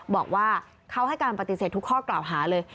บอกว่าเขาให้การปฏิเสธทุกข้อกล่าวหาเลย